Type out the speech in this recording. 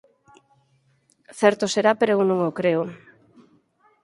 Certo será pero eu non o creo.